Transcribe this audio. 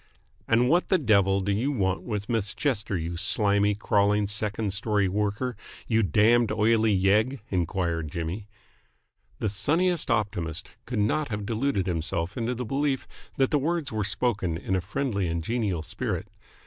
"And what the devil do you want with Miss Chester, you slimy, crawling second story worker, you damned, oily yegg?" enquired Jimmy. The sunniest optimist could not have deluded himself into the belief that the words were spoken in a friendly and genial spirit.